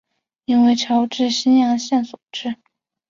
应为侨置新阳县所置。